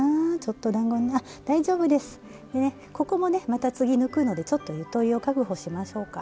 また次抜くのでちょっとゆとりを確保しましょうか。